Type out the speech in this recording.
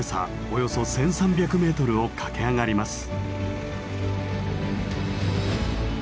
およそ１，３００メートルを駆け上がります。